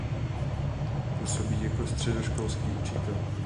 Působí jako středoškolský učitel.